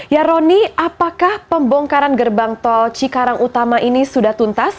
ya roni apakah pembongkaran gerbang tol cikarang utama ini sudah tuntas